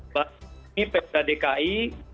dari pmd dki